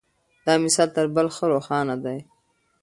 دا مثال تر بل ښه روښانه دی.